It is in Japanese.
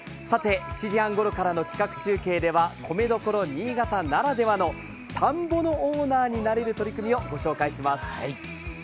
７時半ごろからの企画中継では米どころ・新潟ならではの田んぼのオーナーになれる取り組みをご紹介します。